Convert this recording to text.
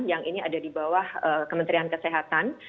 yang ini ada di bawah kementerian kesehatan